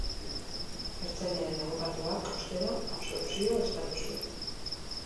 Ertzainaren abokatuak, ostera, absoluzioa eskatu zuen.